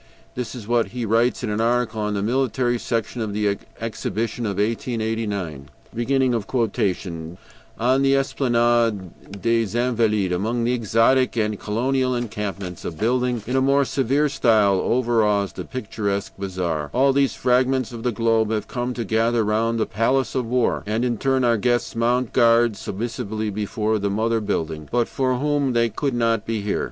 This is what he writes in an article on the Military Section of the Exhibition of 1889: "On the Esplanade des Invalides, among the exotic and colonial encampments, a building in a more severe style overawes the picturesque bazaar; all these fragments of the globe have come to gather round the Palace of War, and in turn our guests mount guard submissively before the mother building, but for whom they would not be here.